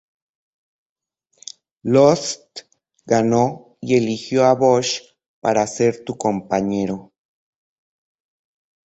Lost ganó y eligió a Bosh para ser su compañero.